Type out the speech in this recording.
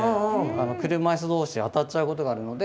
車いす同士当たっちゃうことがあるので。